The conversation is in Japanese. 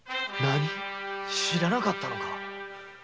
知らなかったのか？！